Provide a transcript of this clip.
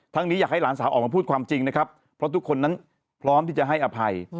นี้อยากให้หลานสาวออกมาพูดความจริงนะครับเพราะทุกคนนั้นพร้อมที่จะให้อภัย